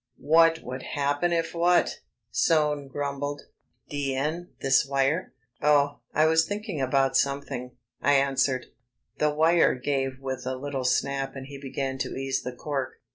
"What would happen if what?" Soane grumbled, "D n this wire." "Oh, I was thinking about something," I answered. The wire gave with a little snap and he began to ease the cork.